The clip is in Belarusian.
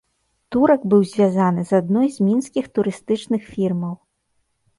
Турак быў звязаны з адной з мінскіх турыстычных фірмаў.